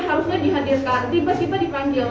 harusnya dihadirkan tiba tiba kita dipanggil